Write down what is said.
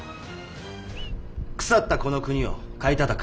腐ったこの国を買いたたく！